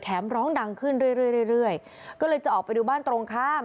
ร้องดังขึ้นเรื่อยเรื่อยก็เลยจะออกไปดูบ้านตรงข้าม